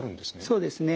そうですね。